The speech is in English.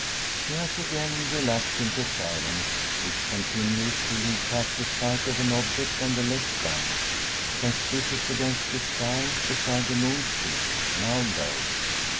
He has again relapsed into silence, which continues till he catches sight of an object on the left bank, conspicuous against the sky, beside the moon's disc, now low.